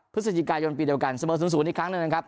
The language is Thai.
พฤศจิกายนปีเดียวกันเสมอ๐๐อีกครั้งหนึ่งนะครับ